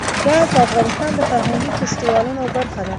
ګاز د افغانستان د فرهنګي فستیوالونو برخه ده.